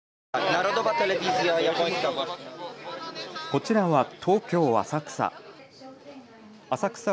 こちらは東京浅草。